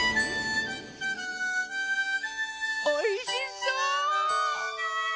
おいしそう！